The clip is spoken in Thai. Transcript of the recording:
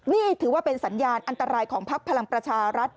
นี่ถือว่าเป็นสัญญาณอันตรายของพักพลังประชารัฐ